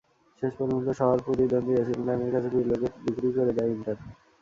শেষ পর্যন্ত শহর প্রতিদ্বন্দ্বী এসি মিলানের কাছে পিরলোকে বিক্রিই করে দেয় ইন্টার।